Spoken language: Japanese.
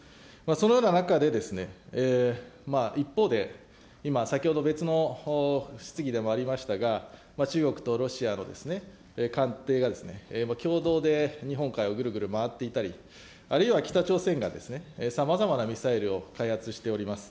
そのような中で、一方で、今、先ほど別の質疑でもありましたが、中国とロシアの艦艇が共同で日本海をぐるぐる回っていたり、あるいは北朝鮮がさまざまなミサイルを開発しております。